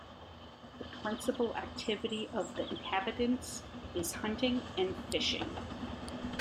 The principal activity of the inhabitants is hunting and fishing.